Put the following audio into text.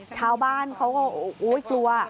ชาวบ้านเขาก็กลัว